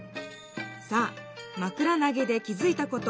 さあまくらなげで気づいたこと